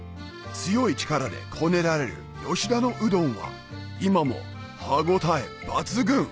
強い力でこねられる吉田のうどんは今も歯応え抜群！